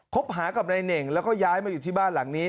หากับนายเหน่งแล้วก็ย้ายมาอยู่ที่บ้านหลังนี้